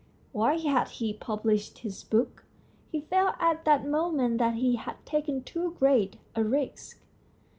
Why had he published his book ? He felt at that moment that he had taken too great a risk.